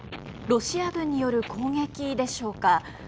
ロシア軍による攻撃でしょうか。